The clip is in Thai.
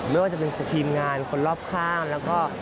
ไม่ว่าจะเป็นทีมงานคนรอบข้างแล้วก็